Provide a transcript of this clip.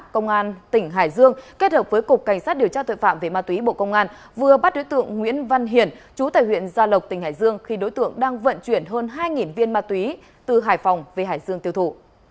công an tỉnh hải dương kết hợp với cục cảnh sát điều tra tội phạm về ma túy bộ công an vừa bắt đối tượng nguyễn văn hiển chú tại huyện gia lộc tỉnh hải dương khi đối tượng đang vận chuyển hơn hai viên ma túy từ hải phòng về hải dương tiêu thụ